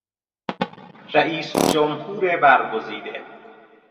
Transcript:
رئیس جمهور برگزیده